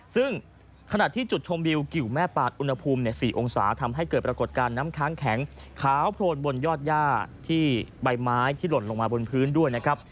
ซึ่งขณะที่จุดชมวิวกิวแม่ปานอุณหภูมิ๔องศาทำให้เกิดปรากฏการณ์น้ำค้างแข็งขาวโพลนบนยอดย่าที่ใบไม้ที่หล่นลงมาบนพื้นด้วยนะครับ